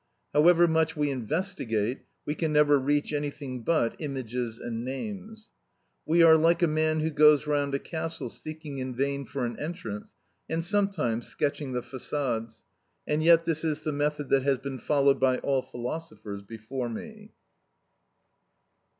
However much we investigate, we can never reach anything but images and names. We are like a man who goes round a castle seeking in vain for an entrance, and sometimes sketching the façades. And yet this is the method that has been followed by all philosophers before me.